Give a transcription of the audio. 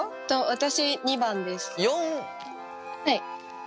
私２番です。